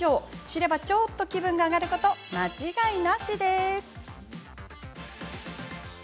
知れば、ちょっと気分が上がること間違いなしです。